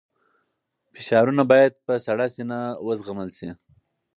فشارونه باید په سړه سینه وزغمل شي.